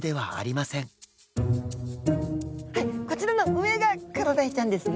こちらの上がクロダイちゃんですね。